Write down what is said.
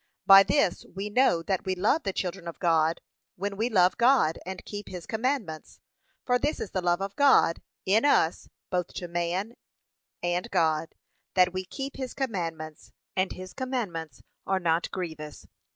'By this we know that we love the children of God, when we love God, and keep his commandments. For this is the love of God,' in us, both to God and man, 'that we keep his commandments: and his commandments are not grievous.'